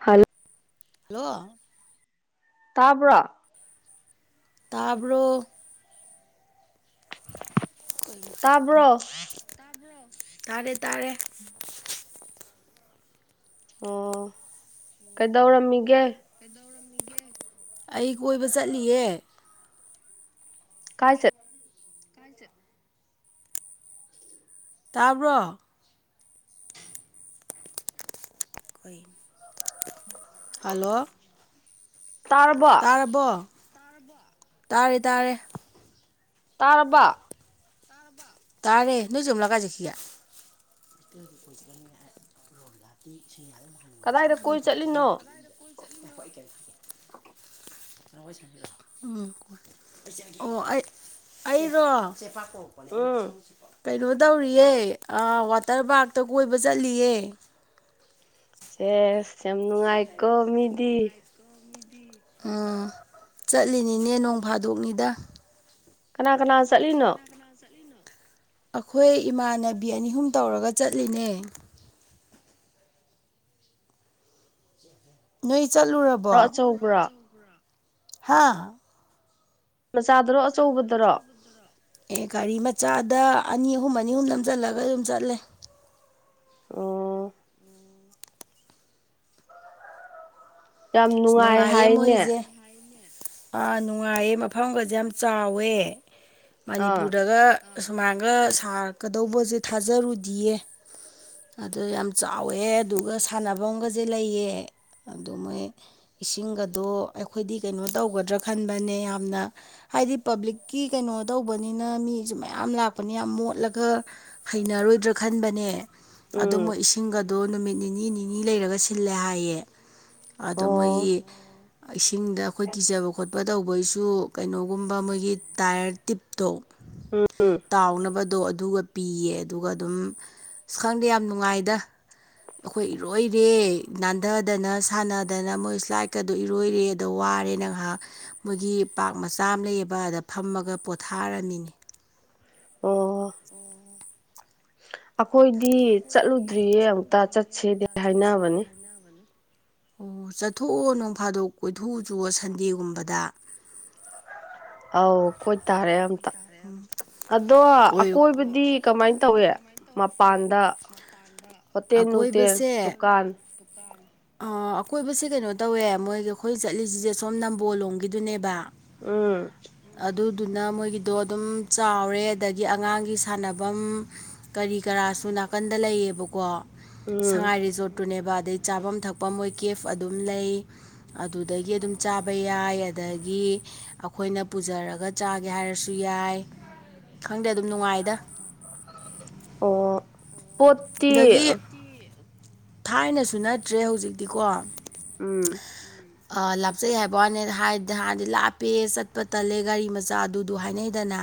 hello hello ꯇꯥꯕ꯭ꯔꯣ ꯇꯥꯕ꯭ꯔꯣ ꯇꯥꯕ꯭ꯔꯣ ꯇꯥꯔꯦ ꯇꯥꯔꯦ ꯑꯣ ꯀꯩꯗꯧꯔꯝꯃꯤꯒꯦ ꯑꯩ ꯀꯣꯏꯕ ꯆꯠꯂꯤꯌꯦꯦ ꯀꯥꯏ ꯆꯠ ꯀꯥꯟꯇ ꯇꯥꯕ꯭ꯔꯣ ꯍꯜꯂꯣ ꯇꯥꯔꯕꯣ ꯇꯥꯔꯕꯣꯔꯕ ꯇꯥꯔꯦ ꯇꯥꯔꯦ ꯇꯥꯔꯕ ꯇꯥꯔꯦ ꯅꯣꯏꯖꯝꯂꯒꯥꯛ ꯀꯀꯤꯌꯥ ꯑꯩ ꯀꯣꯏꯁꯨ ꯀ ꯏꯁꯤꯡꯌꯥ ꯑꯗꯨꯝ ꯍꯪꯉꯩꯁ ꯀꯗꯥꯏꯗ ꯄꯥꯅ ꯀꯣꯏ ꯑꯗꯨꯝ ꯆꯠꯂꯤꯅꯣ ꯆꯠꯂꯥꯛꯄꯣꯏꯩꯦ ꯎꯝ ꯑꯣ ꯑꯩ ꯑꯩꯔꯣ ꯎꯝ ꯀꯩꯅꯣ ꯇꯧꯔꯤꯌꯦ ꯋꯥꯇꯔ ꯄꯥꯔꯛꯇ ꯀꯣꯏꯕ ꯆꯠꯂꯤꯌꯦ ꯁꯦꯁ ꯌꯥꯝ ꯅꯨꯡꯉꯥꯏꯀꯣ ꯃꯤꯗꯤ ꯑꯣ ꯆꯠꯂꯤꯅꯤꯅꯦ ꯅꯣꯡ ꯐꯥꯗꯣꯛꯅꯤꯗ ꯀꯅꯥ ꯀꯅꯥ ꯆꯠꯂꯤꯅꯣ ꯑꯩꯈꯣꯏ ꯏꯃꯥꯟꯅꯕꯤ ꯑꯅꯤ ꯑꯍꯨꯝ ꯇꯧꯔꯒ ꯆꯠꯂꯤꯅꯦ ꯅꯣꯏ ꯆꯠꯂꯨꯔꯕ ꯑꯣ ꯑꯆꯧꯕ꯭ꯔꯥ ꯍꯥꯥ ꯃꯆꯥꯗꯔꯣ ꯑꯆꯧꯕꯗꯔꯣ ꯑꯦ ꯒꯥꯔꯤ ꯃꯆꯥꯗ ꯑꯅꯤ ꯑꯍꯨꯝ ꯑꯅꯤ ꯑꯍꯨꯝ ꯅꯝꯖꯜꯂꯒ ꯑꯗꯨꯝ ꯆꯠꯂꯦ ꯑꯣ ꯌꯥꯝ ꯑ ꯅꯨꯡꯉꯥꯏ ꯅꯨꯡꯉꯥꯏꯌꯦ ꯍꯥꯏꯅꯦ ꯃꯣꯏꯁꯦ ꯑꯥ ꯅꯨꯡꯉꯥꯏꯌꯦ ꯃꯐꯝꯒꯁꯦ ꯌꯥꯝ ꯆꯥꯎꯋꯦ ꯑꯥ ꯃꯅꯤꯄꯨꯔꯗꯒ ꯑꯁꯨꯃꯥꯏꯅꯒ ꯁꯥꯔꯛꯀꯗꯧꯕꯁꯦ ꯊꯥꯖꯔꯨꯗꯤꯌꯦ ꯑꯗꯨ ꯌꯥꯝ ꯆꯥꯎꯋꯦ ꯑꯗꯨꯒ ꯁꯥꯟꯐꯝꯒꯁꯦ ꯂꯩꯌꯦ ꯑꯗꯨ ꯃꯣꯏ ꯏꯁꯤꯡꯒꯗꯣ ꯑꯩꯈꯣꯏꯗꯤ ꯀꯩꯅꯣ ꯇꯧꯒꯗ꯭ꯔꯥ ꯈꯟꯕꯅꯦ ꯌꯥꯝꯅ ꯍꯥꯏꯗꯤ ꯄꯕ꯭ꯂꯤꯛꯀꯤ ꯀꯩꯅꯣ ꯇꯧꯕꯅꯤꯅ ꯃꯤꯁꯨ ꯃꯌꯥꯝ ꯂꯥꯛꯄꯅꯤ ꯌꯥꯝ ꯃꯣꯠꯂꯒ ꯍꯩꯅꯔꯣꯏꯗ꯭ꯔꯥ ꯈꯟꯕꯅꯦ ꯑꯗꯨ ꯎꯝ ꯃꯣꯏ ꯏꯁꯤꯡꯒꯗꯣ ꯅꯨꯃꯤꯠ ꯅꯤꯅꯤ ꯅꯤꯅꯤ ꯂꯩꯔꯒ ꯁꯤꯜꯂꯦ ꯍꯥꯏꯌꯦ ꯑꯗꯣ ꯑꯣ ꯃꯣꯏꯒꯤ ꯏꯁꯤꯡꯗ ꯑꯩꯈꯣꯏ ꯀꯤꯖꯕ ꯈꯣꯠꯄ ꯇꯧꯕꯩꯁꯨ ꯀꯩꯅꯣꯒꯨꯝꯕ ꯃꯣꯏꯒꯤ ꯇꯥꯏꯌꯔ ꯇꯤꯞꯇꯣ ꯎꯝ ꯎꯝ ꯇꯥꯎꯅꯕꯗꯣ ꯑꯗꯨꯒ ꯄꯤꯌꯦ ꯑꯗꯨꯒ ꯑꯗꯨꯝ ꯑꯁ ꯈꯪꯗꯦ ꯌꯥꯝ ꯅꯨꯡꯉꯥꯏꯗ ꯑꯩꯈꯣꯏ ꯏꯔꯣꯏꯔꯦ ꯅꯥꯟꯊꯗꯅ ꯁꯥꯟꯅꯗꯅ ꯃꯣꯏ ꯏꯁ꯭ꯂꯥꯏꯠꯀꯗꯣ ꯏꯔꯣꯏꯔꯦ ꯑꯗꯣ ꯋꯥꯔꯦ ꯅꯥꯏꯍꯥꯛ ꯃꯣꯏꯒꯤ ꯄꯥꯛ ꯃꯆꯥ ꯑꯃ ꯂꯩꯌꯦꯕ ꯑꯗ ꯐꯝꯃꯒ ꯄꯣꯊꯥꯔꯝꯃꯤꯅꯦ ꯑꯣ ꯑꯣ ꯑꯩꯈꯣꯏꯗꯤ ꯆꯠꯂꯨꯗ꯭ꯔꯤꯌꯦ ꯑꯃꯨꯛꯇ ꯆꯠꯁꯦꯗꯤ ꯍꯥꯏꯅꯕꯅꯤ ꯑꯣ ꯆꯠꯊꯣꯛꯑꯣ ꯅꯣꯡ ꯐꯥꯗꯣꯛ ꯀꯣꯏꯊꯣꯛꯎ ꯆꯨꯑꯣ ꯁꯟꯗꯦꯒꯨꯝꯕꯗ ꯑꯧ ꯀꯣꯏꯇꯥꯔꯦ ꯑꯝꯇ ꯑꯗꯣ ꯀꯣꯏ ꯑꯀꯣꯏꯕꯗꯤ ꯀꯃꯥꯏꯅ ꯇꯧꯏ ꯃꯄꯥꯟꯗ ꯍꯣꯇꯦꯜ ꯅꯨꯡꯇꯦꯜ ꯗꯨꯀꯥꯟ ꯨꯀꯥꯟ ꯑꯀꯣꯏꯕꯁꯦ ꯀꯩꯅꯣ ꯇꯧꯋꯦ ꯃꯣꯏꯒꯤ ꯑꯩꯈꯣꯏ ꯆꯠꯂꯤꯁꯤꯁꯦ ꯁꯣꯝ ꯅꯝꯕꯣꯜ ꯂꯣꯝꯒꯤꯗꯨꯅꯦꯕ ꯎꯝ ꯑꯗꯨꯗꯨꯅ ꯃꯣꯏꯒꯤꯗꯣ ꯑꯗꯨꯝ ꯆꯥꯎꯔꯦ ꯑꯗꯒꯤ ꯑꯉꯥꯡꯒꯤ ꯁꯥꯟꯅꯐꯝ ꯀꯔꯤ ꯀꯔꯥꯁꯨ ꯅꯥꯀꯟꯗ ꯂꯩꯌꯦꯕꯀꯣ ꯎꯝ ꯁꯉꯥꯏ ꯔꯤꯖꯣꯔꯠ ꯇꯨꯅꯦꯕ ꯑꯗꯩ ꯆꯥꯐꯝ ꯊꯛꯄ ꯃꯣꯏ ꯀꯦꯐ ꯑꯗꯨꯝ ꯂꯩ ꯑꯗꯨꯗꯒꯤ ꯑꯗꯨꯝ ꯆꯥꯕ ꯌꯥꯏ ꯑꯗꯒꯤ ꯑꯩꯈꯣꯏꯅ ꯄꯨꯖꯔꯒ ꯆꯥꯒꯦ ꯍꯥꯏꯔꯁꯨ ꯌꯥꯏ ꯈꯪꯗꯦ ꯑꯗꯨꯝ ꯅꯨꯡꯉꯥꯏꯗ ꯑꯣ ꯄꯣꯠꯇꯤ ꯑꯗꯒꯤ ꯊꯥꯏꯅꯁꯨ ꯅꯠꯇ꯭ꯔꯦ ꯍꯧꯖꯤꯛꯇꯤꯀꯣ ꯎꯝ ꯂꯥꯞꯆꯩ ꯍꯥꯏꯕꯋꯥꯅꯦ ꯍꯥꯟꯗꯤ ꯂꯥꯞꯄꯦ ꯆꯠꯄ ꯇꯜꯂꯦ ꯒꯥꯔꯤ ꯃꯆꯥ ꯑꯗꯨ ꯑꯗꯨ ꯍꯥꯏꯅꯩꯗꯅ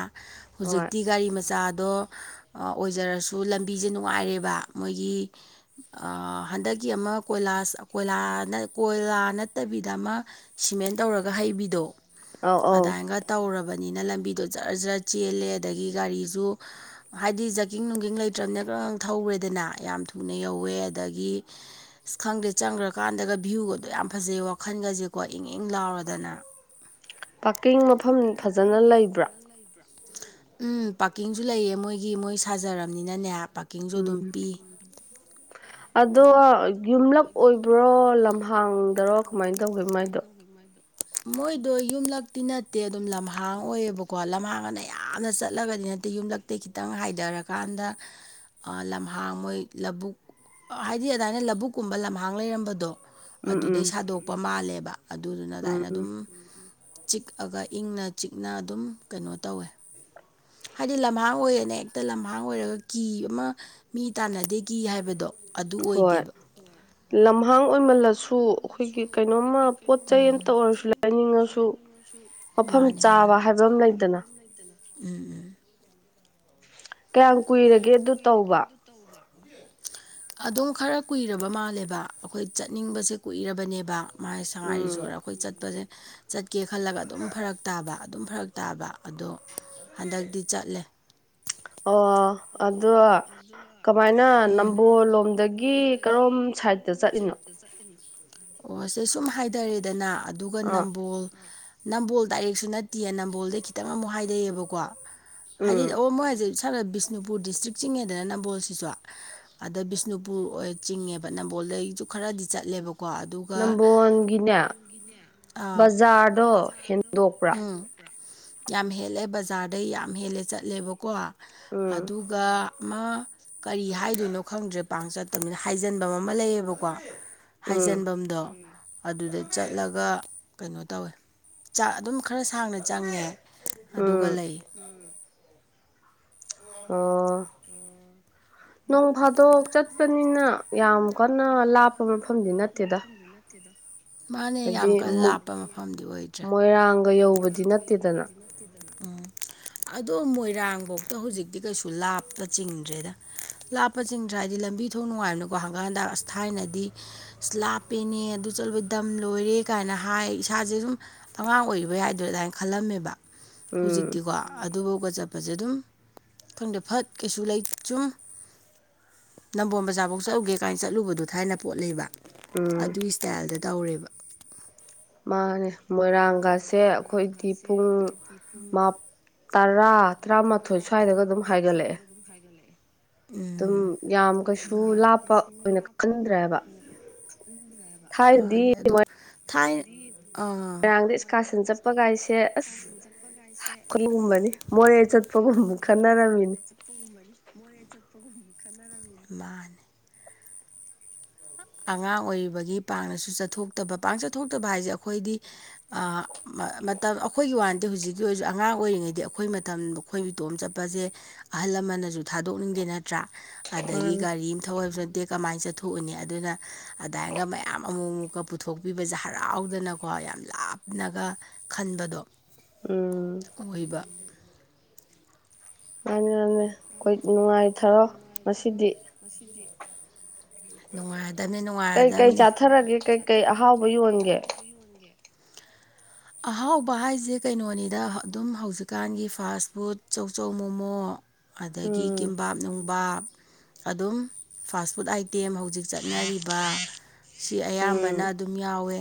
ꯍꯣꯏ ꯍꯧꯖꯤꯛꯇꯤ ꯒꯥꯔꯤ ꯃꯆꯥꯗꯣ ꯑꯣꯏꯖꯔꯁꯨ ꯂꯝꯕꯤꯁꯦ ꯅꯨꯡꯉꯥꯏꯔꯦꯕ ꯃꯣꯏꯒꯤ ꯍꯟꯗꯛꯀꯤ ꯑꯃ ꯀꯣꯏꯂꯥꯁ ꯀꯣꯏꯂꯥ ꯀꯣꯏꯂꯥ ꯅꯠꯇꯕꯤꯗ ꯑꯃ ꯁꯤꯃꯦꯟ ꯇꯧꯔꯒ ꯍꯩꯕꯤꯗꯣ ꯑꯧ ꯑꯧ ꯑꯗꯥꯏꯒ ꯇꯧꯔꯕꯅꯤꯅ ꯂꯝꯕꯤꯗꯣ ꯖꯔ ꯖꯔ ꯆꯦꯜꯂꯦ ꯑꯗꯒꯤ ꯒꯥꯔꯤꯁꯨ ꯍꯥꯏꯗꯤ ꯖꯥꯛꯀꯤꯡ ꯅꯨꯡꯒꯤꯡ ꯂꯩꯇ꯭ꯔꯕꯅꯤꯅ ꯈ ꯊꯧꯔꯦꯗꯅ ꯌꯥꯝ ꯊꯨꯅ ꯌꯧꯋꯦ ꯑꯗꯒꯤ ꯑꯁ ꯈꯪꯗꯦ ꯆꯪꯈ꯭ꯔꯀꯥꯟꯗꯒ ꯚ꯭ꯌꯨꯒꯗꯣ ꯌꯥꯝ ꯐꯖꯩ ꯋꯥꯈꯜꯒꯁꯦꯀꯣ ꯏꯪ ꯏꯪ ꯂꯥꯎꯔꯗꯅ ꯄꯥꯔꯀꯤꯡ ꯃꯐꯝ ꯐꯖꯅ ꯂꯩꯕ꯭ꯔꯥ [inaudible] ꯎꯝ ꯄꯥꯔꯀꯤꯡꯁꯨ ꯂꯩꯌꯦ ꯃꯣꯏꯒꯤ ꯃꯣꯏ ꯁꯥꯖꯔꯕꯅꯤꯅꯅꯦ ꯄ ꯎꯝ ꯑꯗꯣ ꯌꯨꯝꯂꯛ ꯑꯣꯏꯕ꯭ꯔꯣ ꯂꯝꯍꯥꯡꯗꯔꯣ ꯀꯃꯥꯏꯅ ꯇꯧꯒꯦ ꯃꯥꯏꯗꯣ ꯃꯣꯏꯗꯣ ꯌꯨꯝꯂꯛꯇꯤ ꯅꯠꯇꯦ ꯑꯗꯨꯝ ꯂꯝꯍꯥꯡ ꯑꯣꯏꯌꯦꯕꯀꯣ ꯂꯝꯍꯥꯡ ꯑꯅ ꯌꯥꯝꯅ ꯆꯠꯂꯒꯗꯤ ꯅꯠꯇꯦ ꯌꯨꯝꯂꯛ ꯑꯇꯩ ꯈꯤꯇꯪ ꯍꯥꯏꯊꯔꯀꯥꯟꯗ ꯂꯝꯍꯥꯡ ꯃꯣꯏ ꯂꯧꯕꯨꯛ ꯍꯥꯏꯗꯤ ꯑꯗꯨꯃꯥꯏꯅ ꯂꯧꯕꯨꯛꯀꯨꯝꯕ ꯂꯝꯍꯥꯡ ꯂꯩꯔꯝꯕꯗꯣ ꯎꯝ ꯎꯝ ꯑꯗꯨꯗꯩ ꯁꯥꯗꯣꯛꯄ ꯃꯥꯜꯂꯦꯕ ꯑꯗꯨꯗꯨꯅ ꯎꯝ ꯑꯗꯥꯏꯅ ꯎꯝ ꯆꯤꯛꯑꯒ ꯏꯪꯅ ꯆꯤꯛꯅ ꯑꯗꯨꯝ ꯀꯩꯅꯣ ꯇꯧꯋꯦ ꯍꯥꯏꯗꯤ ꯂꯝꯍꯥꯡ ꯑꯣꯏꯔꯦꯅꯦ ꯍꯦꯛꯇ ꯂꯝꯍꯥꯡ ꯑꯣꯏꯔꯒ ꯀꯤ ꯑꯃ ꯃꯤ ꯇꯥꯟꯅꯗꯦ ꯀꯤ ꯍꯥꯏꯕꯗꯣ ꯑꯗꯨ ꯑꯣꯏꯗꯦꯕ ꯎ ꯂꯝꯍꯥꯡ ꯑꯣꯏꯃꯜꯂꯁꯨ ꯑꯩꯈꯣꯏꯒꯤ ꯀꯩꯅꯣꯝꯃ ꯄꯣꯠ ꯆꯩ ꯑꯝꯇ ꯑꯣꯏꯔꯁꯨ ꯂꯩꯅꯤꯡꯉꯁꯨ ꯃꯐꯝ ꯃꯥꯅꯦ ꯆꯥꯕ ꯃꯥꯅꯦ ꯍꯥꯏꯕ ꯑꯃ ꯂꯩꯗꯅ ꯎꯝ ꯎꯝ ꯀꯌꯥꯝ ꯀꯨꯏꯔꯒꯦ ꯑꯗꯨ ꯇꯧꯕ [inaudible] ꯑꯗꯨꯝ ꯈꯔ ꯀꯨꯏꯔꯕ ꯃꯥꯜꯂꯦꯕ ꯑꯩꯈꯣꯏ ꯆꯠꯅꯤꯡꯕꯁꯦ ꯀꯨꯏꯔꯕꯅꯦꯕ ꯃꯥꯥꯏ ꯁꯉꯥꯏ ꯎꯝ ꯔꯤꯖꯣꯔꯠ ꯑꯩꯈꯣꯏ ꯆꯠꯄꯁꯦ ꯆꯠꯀꯦ ꯈꯜꯂꯒ ꯑꯗꯨꯝ ꯐꯔꯛ ꯇꯥꯕ ꯑꯗꯨꯝ ꯐꯔꯛ ꯇꯥꯕ ꯑꯗꯣ ꯍꯟꯗꯛꯇꯤ ꯆꯠꯂꯦ ꯑꯣ ꯑꯗꯣ ꯀꯃꯥꯏꯅ ꯅꯝꯕꯣꯜ ꯂꯣꯝꯗꯒꯤ ꯀꯔꯣꯝ ꯁꯥꯏꯠꯇ ꯆꯠꯂꯤꯅꯣ ꯑꯣ ꯁꯦ ꯁꯨꯝ ꯍꯥꯏꯊꯔꯦꯗꯅ ꯑꯗꯨꯒ ꯑꯥ ꯅꯝꯕꯣꯜ ꯅꯝꯕꯣꯜ ꯗꯥꯏꯔꯦꯛꯁꯨ ꯅꯠꯇꯦꯌꯦ ꯅꯝꯕꯣꯜꯗꯩ ꯈꯤꯇꯪ ꯑꯃꯨꯛ ꯍꯥꯏꯗꯩꯑꯦꯕꯀꯣ ꯍꯥꯏꯗꯤ ꯎꯝ ꯑꯣ ꯃꯣꯏ ꯍꯧꯖꯤꯛ ꯈꯔ ꯕꯤꯁꯅꯨꯄꯨꯔ ꯗꯤꯁꯇ꯭ꯔꯤꯛ ꯆꯤꯡꯉꯧꯗꯅ ꯅꯝꯕꯣꯜꯁꯤꯁꯨ ꯑꯗ ꯕꯤꯁꯅꯨꯄꯨꯔ ꯑꯣꯏ ꯆꯤꯡꯉꯦꯕ ꯅꯝꯕꯣꯜꯗꯩꯁꯨ ꯈꯔꯗꯤ ꯆꯠꯂꯦꯕꯀꯣ ꯑꯗꯨꯒ ꯅꯝꯕꯣꯣꯟꯒꯤꯅꯦ ꯑꯥ ꯕꯖꯥꯔꯗꯣ ꯍꯦꯟꯗꯣꯛꯄ꯭ꯔꯥ ꯎꯝ ꯌꯥꯝ ꯍꯦꯜꯂꯦ ꯕꯖꯥꯔꯗꯩ ꯌꯥꯝ ꯍꯦꯜꯂꯦ ꯆꯠꯂꯦꯕꯀꯣ ꯎꯝ ꯑꯗꯨ ꯥꯛ ꯑꯃ ꯀꯔꯤ ꯍꯥꯏꯗꯣꯏꯅꯣ ꯈꯪꯗ꯭ꯔꯦ ꯄꯥꯛ ꯆꯠꯇꯕꯅꯤꯅ ꯍꯥꯏꯖꯤꯟꯕ ꯑꯃ ꯂꯩꯌꯦꯕꯀꯣ ꯎꯝ ꯍꯥꯏꯖꯟꯐꯝꯗꯣ ꯑꯗꯨꯗ ꯆꯠꯂꯒ ꯀꯩꯅꯣ ꯇꯧꯋꯦ ꯆꯥꯛ ꯑꯗꯨꯝ ꯈꯔ ꯁꯥꯡꯅ ꯆꯪꯉꯦ ꯑꯗꯨꯒ ꯎꯝ ꯂꯩ ꯑꯣ ꯅꯣꯡ ꯐꯥꯗꯣꯛ ꯆꯠꯄꯅꯤꯅ ꯌꯥꯝ ꯀꯟꯅ ꯂꯥꯞꯄ ꯃꯐꯝꯗꯤ ꯅꯠꯇꯦꯗ [unintelligible] ꯌꯥꯝ ꯍꯥꯏꯗꯤ ꯀꯟꯅ ꯂꯥꯞꯄ ꯃꯐꯝꯗꯤ ꯑꯣꯏꯗ꯭ꯔꯦ ꯃꯣꯏꯔꯥꯡꯒ ꯌꯧꯕꯗꯤ ꯅꯠꯇꯦꯗꯅ [inaudible] ꯑꯗꯣ ꯃꯣꯏꯔꯥꯡꯐꯧꯇ ꯍꯧꯖꯤꯛꯇꯤ ꯀꯩꯁꯨ ꯂꯥꯞꯄ ꯆꯤꯡꯗ꯭ꯔꯦꯗ ꯂꯥꯞꯄꯆꯤꯡꯗ꯭ꯔꯦ ꯍꯥꯏꯗꯤ ꯂꯝꯕꯤ ꯊꯣꯡ ꯅꯨꯡꯉꯥꯏꯕꯅꯀꯣ ꯍꯪꯒꯥꯥꯡꯗ ꯑꯁ ꯊꯥꯏꯅꯗꯤ ꯂꯥꯞꯄꯦꯅꯦ ꯑꯗꯨ ꯆꯠꯂꯨꯕ ꯗꯝ ꯂꯣꯏꯔꯦ ꯀꯥꯏꯅ ꯍꯥꯏ ꯏꯁꯥꯁꯦ ꯁꯨꯝ ꯑꯉꯥꯡ ꯑꯣꯏꯔꯤꯕ ꯌꯥꯏꯗ꯭ꯔꯣ ꯑꯗꯨꯃꯥꯏꯅ ꯈꯜꯂꯝꯃꯦꯕ ꯎꯝ ꯍꯧꯖꯤꯛꯇꯤꯀꯣ ꯑꯗꯨꯐꯥꯎꯒ ꯆꯠꯄꯁꯦ ꯑꯗꯨꯝ ꯈꯪꯗꯦ ꯐꯠ ꯀꯩꯁꯨ ꯂꯩ ꯆꯨꯝ ꯅꯝꯕꯣꯜ ꯕꯖꯥꯔꯐꯥꯎ ꯆꯠꯂꯨꯒꯦ ꯀꯥꯏꯅ ꯆꯠꯂꯨꯕꯗꯣ ꯊꯥꯏꯅ ꯄꯣꯠ ꯂꯩꯕ ꯎꯝ ꯑꯗꯨꯒꯤ ꯏꯁꯇꯥꯏꯜꯗ ꯇꯧꯔꯦꯕ ꯃꯥꯅꯦ ꯃꯣꯏꯔꯥꯡꯒꯁꯦ ꯑꯩꯈꯣꯏꯗꯤ ꯄꯨꯡ [unintelligible] ꯃꯥ [inaudible] ꯇꯔꯥ ꯇꯔꯥ ꯇꯔꯥꯃꯥꯊꯣꯏ ꯁ꯭ꯋꯥꯏꯗꯒ ꯑꯗꯨꯝ ꯇꯔꯥꯃꯥꯊꯣꯏ ꯍꯥꯏꯒꯠꯂꯛꯑꯦ ꯁ꯭ꯋꯥꯏꯔꯗꯒ ꯑꯗꯨꯝ ꯍꯥꯏꯒꯠꯂꯛꯑꯦ ꯑꯗꯨꯝ ꯌꯥꯝ ꯀꯩꯁꯨ ꯂꯥꯞꯄ ꯑꯣꯏꯅ ꯈꯟꯗ꯭ꯔꯦꯕ ꯊꯥꯏꯅꯗꯤ ꯃꯥꯅꯦ ꯑꯗꯣ ꯃ ꯊꯥꯏꯅ ꯑ ꯀꯥꯁꯟ ꯆꯠꯄ ꯀꯥꯏꯁꯦ ꯑꯁ ꯆꯄꯒꯥꯏ [unintelligible] ꯈꯨꯒꯨꯝꯕꯅꯤ ꯃꯣꯔꯦ ꯆꯠꯄꯒꯨꯝ ꯈꯟꯅꯔꯝꯃꯤꯅꯤ ꯇꯨꯝꯕꯅꯤ ꯃꯣꯏ ꯑꯁꯨ ꯇꯨꯝꯅꯤ ꯈꯟꯅꯔꯝꯃꯤꯅ ꯃꯥꯅꯤ [inaudible] ꯑꯉꯥꯡ ꯑꯣꯏꯔꯤꯕꯒꯤ ꯄꯥꯡꯅꯁꯨ ꯆꯠꯊꯣꯛꯇꯕ ꯄꯥꯛ ꯆꯠꯊꯣꯛꯇꯕ ꯍꯥꯏꯁꯦ ꯑꯩꯈꯣꯏꯗꯤ ꯑ [unintelligible] ꯑꯩꯈꯣꯏꯒꯤ ꯋꯥꯟꯗꯤ ꯍꯧꯖꯤꯛꯀꯤ ꯑꯣꯏꯔꯁꯨ ꯑꯉꯥꯡ ꯑꯣꯏꯔꯤꯉꯩꯗꯤ ꯑꯩꯈꯣꯏ ꯃꯇꯝꯗ ꯑꯈꯣꯏ ꯏꯇꯣꯝ ꯆꯠꯄꯁꯦ ꯑꯍꯜ ꯂꯃꯟꯅꯁꯨ ꯊꯥꯗꯣꯛꯅꯤꯡꯗꯦ ꯅꯠꯇ꯭ꯔꯥ ꯑꯗꯒꯤ ꯃꯥꯅꯦ ꯒꯥꯔꯤ ꯑꯃ ꯊꯧꯏꯕꯁꯨ ꯅꯠꯇꯦ ꯀꯃꯥꯏꯅ ꯆꯠꯊꯣꯛꯎꯅꯤ ꯑꯗꯨꯅ ꯑꯗꯨꯥꯏꯒ ꯃꯌꯥꯝ ꯑꯃꯨꯛ ꯑꯃꯨꯛꯀ ꯄꯨꯊꯣꯛꯄꯤꯕꯁꯦ ꯍꯔꯥꯎꯗꯅꯀꯣ ꯌꯥꯝ ꯂꯥꯞꯅꯒ ꯈꯟꯕꯗꯣ ꯎꯝ ꯑꯣꯏꯕ ꯃꯥꯅꯤ ꯃꯥꯅꯤ ꯑꯩꯈꯣꯏ ꯅꯨꯡꯉꯥꯏ ꯊꯔꯣ ꯉꯁꯤꯗꯤ ꯉꯁꯤꯗꯤ ꯅꯨꯡꯉꯥꯏ ꯀꯩ ꯀꯩ ꯆꯥꯊꯔꯒꯦ ꯀꯩ ꯀꯩ ꯑꯍꯥꯎꯕ ꯌꯣꯟꯒꯦ ꯑꯍꯥꯎꯕ ꯍꯥꯏꯁꯦ ꯀꯩꯅꯣꯅꯤꯗ ꯑꯗꯨꯝ ꯍꯧꯖꯤꯛꯀꯥꯟꯒꯤ ꯐꯥꯁ ꯐꯨꯗ ꯆꯧꯆꯧ ꯃꯣꯃꯣ ꯑꯗꯒꯤ ꯎꯝ ꯀꯤꯝ ꯄꯥꯞ ꯅꯨꯡꯕꯥꯞ ꯑꯗꯨꯝ ꯐꯥꯁ ꯐꯨꯗ ꯑꯥꯏꯇꯦꯝ ꯍꯧꯖꯤꯛ ꯆꯠꯅꯔꯤꯕ ꯁꯤ ꯑꯌꯥꯝꯕꯅ ꯎꯝ ꯑꯗꯨꯝ ꯌꯥꯎꯋꯦ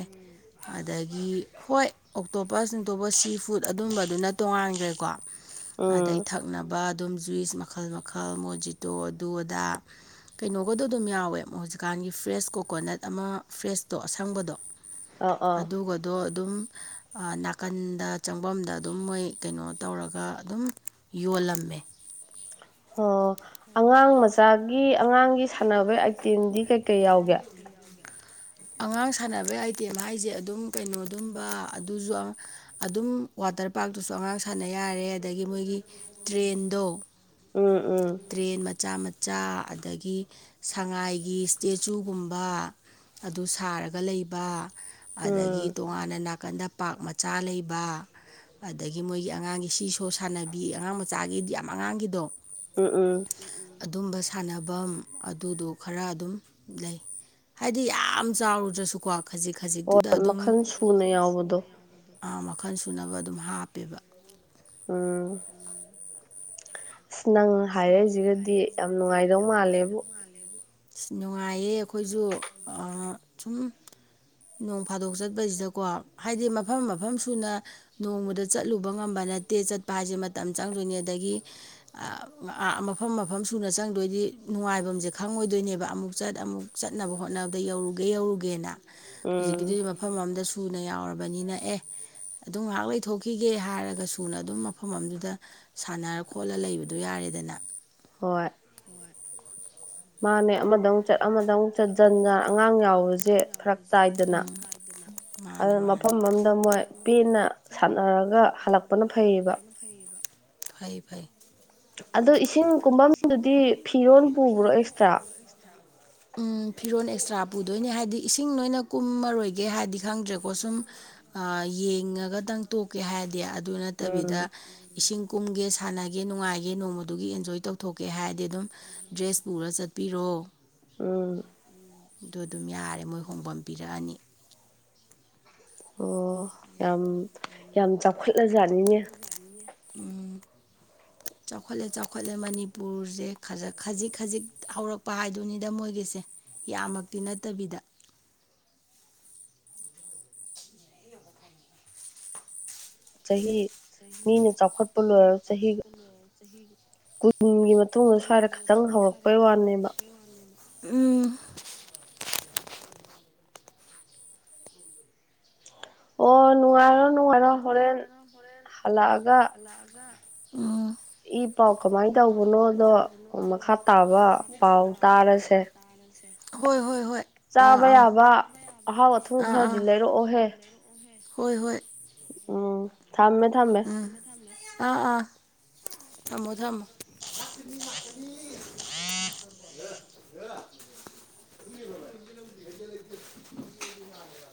ꯑꯗꯒꯤ ꯍꯣꯏ ꯑꯣꯇꯣꯞꯄ ꯆꯤꯡꯇꯣꯞꯄ ꯁꯤ ꯐꯨꯗ ꯑꯗꯨꯝꯕꯗꯨꯅ ꯇꯣꯉꯥꯟꯈ꯭ꯔꯦꯀꯣ ꯑꯗꯩ ꯎꯝ ꯊꯛꯅꯕ ꯑꯗꯨꯝ ꯖꯨꯏꯁ ꯃꯈꯜ ꯃꯈꯜ ꯃꯣꯖꯤꯇꯣ ꯑꯗꯨ ꯑꯗꯥ ꯀꯩꯅꯣꯒꯗꯣ ꯑꯗꯨꯝ ꯌꯥꯎꯋꯦ ꯍꯧꯖꯤꯛꯀꯥꯟꯒꯤ ꯐ꯭ꯔꯦꯁ ꯀꯣꯀꯣꯅꯠ ꯑꯃ ꯐ꯭ꯔꯦꯁꯇꯣ ꯑꯁꯪꯕꯗꯣ ꯑꯥ ꯑꯥ ꯑꯗꯨꯒꯗꯣ ꯑꯗꯨꯝ ꯅꯥꯀꯟꯗ ꯆꯪꯐꯝꯗ ꯑꯗꯨꯝ ꯃꯣꯏ ꯀꯩꯅꯣ ꯇꯧꯔꯒ ꯑꯗꯨꯝ ꯌꯣꯜꯂꯝꯃꯦ ꯑꯣ ꯑꯉꯥꯡ ꯃꯆꯥꯒꯤ ꯑꯉꯥꯡꯒꯤ ꯁꯥꯟꯅꯕꯒꯤ ꯑꯥꯏꯇꯦꯝꯗꯤ ꯀꯩ ꯀꯩ ꯌꯥꯎꯒꯦ ꯑꯉꯥꯡ ꯁꯥꯟꯅꯕꯩ ꯑꯥꯏꯇꯦꯝ ꯍꯥꯏꯁꯦ ꯑꯗꯨꯝ ꯀꯩꯅꯣ ꯑꯗꯨꯝꯕ ꯑꯗꯨꯁꯨ ꯑꯗꯨꯝ ꯋꯥꯇꯔ ꯄꯥꯔꯛꯇꯨꯁꯨ ꯑꯉꯥꯡ ꯁꯥꯟꯅ ꯌꯥꯔꯦ ꯑꯗꯒꯤ ꯃꯣꯏꯒꯤ ꯇ꯭ꯔꯦꯟꯗꯣ ꯎꯝ ꯎꯝ ꯇ꯭ꯔꯦꯟ ꯃꯆꯥ ꯃꯆꯥ ꯑꯗꯒꯤ ꯁꯉꯥꯏꯒꯤ ꯏꯁꯇꯦꯆꯨꯒꯨꯝꯕ ꯑꯗꯨ ꯁꯥꯔꯒ ꯂꯩꯕ ꯑꯗꯒꯤ ꯎꯝ ꯇꯣꯉꯥꯟꯅ ꯅꯥꯀꯟꯗ ꯄꯥꯛ ꯃꯆꯥ ꯂꯩꯕ ꯑꯗꯒꯤ ꯃꯣꯏꯒꯤ ꯑꯉꯥꯡꯒꯤ ꯁꯤ ꯁꯣ ꯁꯥꯟꯅꯕꯤ ꯑꯉꯥꯡ ꯃꯆꯥꯒꯤꯗꯤ ꯌꯥꯝ ꯑꯉꯥꯡꯒꯤꯗꯣ ꯎꯝ ꯎꯝ ꯑꯗꯨꯝꯕ ꯁꯥꯟꯅꯐꯝ ꯑꯗꯨꯗꯣ ꯈꯔ ꯑꯗꯨꯝ ꯂꯩ ꯍꯥꯏꯗꯤ ꯌꯥꯝ ꯆꯥꯎꯔꯨꯗ꯭ꯔꯁꯨꯀꯣ ꯈꯖꯤꯛ ꯈꯖꯤꯛꯇꯨꯗ ꯍꯣꯏ ꯑꯗꯨꯝ ꯃꯈꯜ ꯁꯨꯅ ꯌꯥꯎꯕꯗꯣ ꯃꯈꯜ ꯁꯨꯅꯕ ꯑꯗꯨꯝ ꯍꯥꯞꯄꯦꯕ ꯎꯝ ꯑꯁ ꯅꯪ ꯍꯥꯏꯔꯛꯏꯁꯤꯒꯗꯤ ꯌꯥꯝ ꯅꯨꯡꯉꯥꯏꯗꯧ ꯃꯥꯜꯂꯦꯕꯨ ꯅꯨꯡꯉꯥꯏꯌꯦ ꯑꯩꯈꯣꯏꯁꯨ ꯁꯨꯝ ꯅꯣꯡ ꯐꯥꯗꯣꯛ ꯆꯠꯄꯁꯤꯗꯀꯣ ꯍꯥꯏꯗꯤ ꯃꯐꯝ ꯃꯐꯝ ꯁꯨꯅ ꯅꯣꯡꯃꯗ ꯆꯠꯂꯨꯕ ꯉꯝꯕ ꯅꯠꯇꯦ ꯆꯠꯄ ꯍꯥꯏꯁꯦ ꯃꯇꯝ ꯆꯪꯗꯣꯏꯅꯦ ꯑꯗꯒꯤ ꯃꯐꯝ ꯃꯐꯝ ꯁꯨꯅ ꯆꯪꯗꯣꯏꯗꯤ ꯅꯨꯡꯉꯥꯏꯕꯐꯝꯁꯦ ꯈꯪꯉꯣꯏꯗꯣꯏ ꯑꯗꯨꯣꯏꯅꯦꯕ ꯑꯃꯨꯛ ꯆꯠ ꯑꯃꯨꯛ ꯆꯠꯅꯕ ꯍꯣꯠꯅꯕꯗ ꯌꯧꯔꯨꯒꯦ ꯌꯧꯔꯨꯒꯦꯅ ꯎꯝ ꯍꯧꯖꯤꯛꯀꯤꯗꯨꯗꯤ ꯃꯐꯝ ꯑꯃꯝꯗ ꯁꯨꯅ ꯌꯥꯎꯔꯕꯅꯤꯅ ꯑꯦ ꯑꯗꯨ ꯉꯥꯏꯍꯥꯛ ꯂꯩꯊꯣꯛꯈꯤꯒꯦ ꯍꯥꯏꯔꯒ ꯁꯨꯅ ꯑꯗꯨꯝ ꯃꯐꯝ ꯑꯃꯗꯨꯗ ꯁꯥꯟꯅꯔ ꯈꯣꯠꯂ ꯂꯩꯕꯗꯣ ꯌꯥꯔꯦꯗꯅ ꯍꯣꯏ ꯍꯣꯏ ꯃꯥꯅꯦ ꯑꯃꯗꯧ ꯆꯠ ꯑꯃꯗꯧ ꯆꯠ ꯖꯟ ꯖꯥꯟ ꯑꯉꯥꯡ ꯌꯥꯎꯕꯁꯦ ꯈꯔ ꯇꯥꯏꯗꯅ ꯃꯥꯅꯤ ꯑꯗꯨꯅ ꯃꯥꯅꯤ ꯃꯐꯝ ꯑꯃꯗ ꯃꯣꯏ ꯄꯦꯅ ꯁꯥꯟꯅꯔꯒ ꯍꯜꯂꯛꯄꯅ ꯐꯩꯌꯦꯕ ꯐꯩ ꯐꯩ ꯑꯗꯣ ꯏꯁꯤꯡ ꯀꯨꯝꯐꯝꯗꯨꯗꯤ ꯐꯤꯔꯣꯜ ꯄꯨꯕ꯭ꯔꯣ ꯑꯦꯛꯁꯇ꯭ꯔꯥ ꯎ ꯐꯤꯔꯣꯟꯜ ꯑꯦꯛꯁꯇ꯭ꯔꯥ ꯄꯨꯗꯣꯏꯅꯦ ꯍꯥꯏꯕꯗꯤ ꯏꯁꯤꯡ ꯅꯣꯏꯅ ꯀꯨꯝꯃꯔꯣꯏꯒꯦ ꯍꯥꯏꯗꯤ ꯈꯪꯗ꯭ꯔꯦꯀꯣ ꯁꯨꯝ ꯌꯦꯡꯉꯒꯇꯪ ꯇꯣꯛꯀꯦ ꯍꯥꯏꯔꯗꯤ ꯑꯗꯨ ꯅꯠꯇꯕꯤꯗ ꯎꯝ ꯏꯁꯤꯡ ꯀꯨꯝꯒꯦ ꯁꯥꯟꯅꯒꯦ ꯅꯨꯡꯉꯥꯏꯒꯦ ꯅꯣꯡꯃꯗꯨꯒꯤ ꯑꯦꯟꯖꯣꯏ ꯇꯧꯊꯣꯛꯀꯦ ꯍꯥꯏꯔꯗꯤ ꯑꯗꯨꯝ ꯗ꯭ꯔꯦꯁ ꯄꯨꯔ ꯆꯠꯄꯤꯔꯣ ꯎꯝ ꯑꯗꯨ ꯑꯗꯨꯝ ꯌꯥꯔꯦ ꯃꯣꯏ ꯍꯣꯡꯐꯝ ꯄꯤꯔꯛꯑꯅꯤ ꯑꯣ ꯌꯥꯝ ꯌꯥꯝ ꯆꯥꯎꯈꯠ ꯆꯥꯎ [inaudible] ꯆꯥꯎꯈꯠꯂꯦ ꯆꯥꯎꯈꯠꯂꯦ ꯃꯅꯤꯄꯨꯔꯁꯦ ꯈꯖꯤꯛ ꯈꯖꯤꯛ ꯍꯧꯔꯛꯄ ꯍꯥꯏꯗꯨꯅꯤꯗ ꯃꯣꯏꯒꯤꯁꯦ ꯌꯥꯝꯃꯛꯇꯤ ꯅꯠꯇꯕꯤꯗ ꯆꯍꯤ ꯃꯤꯅ ꯆꯥꯎꯈꯠꯄ ꯂꯣꯏꯔ ꯆꯍꯤꯒ ꯀꯨꯟꯒꯤ ꯃꯇꯨꯡꯗ ꯁ꯭ꯋꯥꯏꯗ ꯈꯤꯇꯪ ꯍꯧꯔꯛꯄꯩ ꯋꯥꯅꯦꯕ ꯎꯝ ꯑꯣ ꯅꯉꯣ ꯅꯉꯣ ꯍꯣꯔꯦꯟ ꯍꯂꯥꯑꯒ ꯑꯒ ꯎ ꯏ ꯄꯥꯎ ꯀꯃꯥꯏꯅ ꯇꯧꯕꯅꯣꯗꯣ ꯃꯈꯥ ꯇꯥꯕ ꯄꯥꯎ ꯇꯥꯔꯁꯦ ꯍꯣꯏ ꯍꯣꯏ ꯍꯣꯏ ꯑꯥ ꯆꯥꯕ ꯑꯥ ꯌꯥꯕ ꯑꯍꯥꯎ ꯑꯊꯨꯝ ꯑꯥ ꯈꯔꯗꯤ ꯑꯥ ꯂꯩꯔꯛꯑꯣꯍꯦ ꯍꯣꯏ ꯍꯣꯏ ꯎꯝ ꯊꯝꯃꯦ ꯊꯝꯃꯦ ꯎꯝ ꯑꯥ ꯑꯥ ꯊꯝꯃꯣ ꯊꯝꯃꯣ [unintelligible] [inaudible]